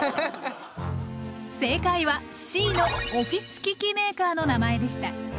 正解はＣの「オフィス機器メーカーの名前」でした。